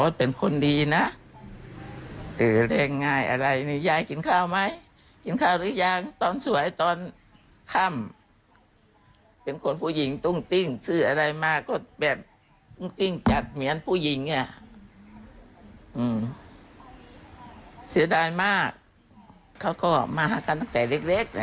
เสียดายมากเขาก็มาหากันตั้งแต่เล็ก